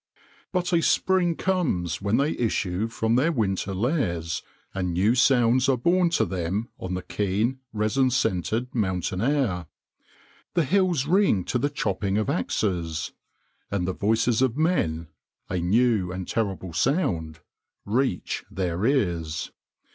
But a spring comes when they issue from their winter lairs and new sounds are borne to them on the keen, resin scented mountain air. The hills ring to the chopping of axes; and the voices of men a new and terrible sound reach their ears.